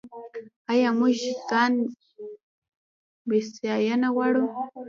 آیا موږ ځان بسیاینه غواړو؟